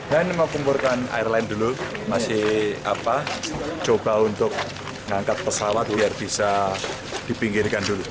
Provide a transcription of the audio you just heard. dan mempengurkan airline dulu masih coba untuk mengangkat pesawat biar bisa dipinggirkan